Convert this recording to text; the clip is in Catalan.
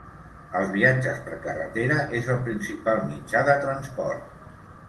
Els viatges per carretera és el principal mitjà de transport.